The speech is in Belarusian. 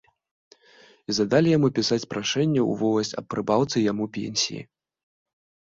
І задалі яму пісаць прашэнне ў воласць аб прыбаўцы яму пенсіі.